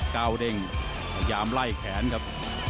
เด้งพยายามไล่แขนครับ